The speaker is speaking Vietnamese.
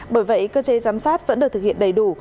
bởi vậy cơ chế giám sát vẫn được thực hiện đầy đủ